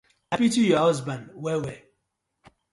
I pity yu husban well well.